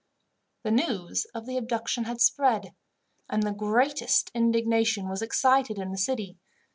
The news of the abduction had spread, and the greatest indignation was excited in the city.